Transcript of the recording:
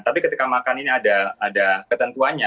tapi ketika makan ini ada ketentuannya